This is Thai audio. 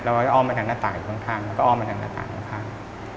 เราก็อ้อมมาทางหน้าตาอยู่ต่างเราก็อ้อมมาทางหน้าตาต่าง